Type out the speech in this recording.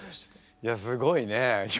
いやすごいね。